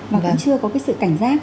và cũng chưa có cái sự cảnh giác